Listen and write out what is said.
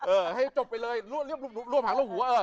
เออให้จบไปเลยรวบหางรวบหัว